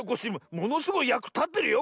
ものすごいやくたってるよ